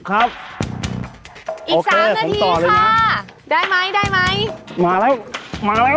อีกสามนาทีค่ะได้ไหมได้ไหมมาแล้วมาแล้ว